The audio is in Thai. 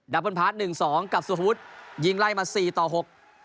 เบิ้ลพาร์ทหนึ่งสองกับสุภวุฒิยิงไล่มาสี่ต่อหก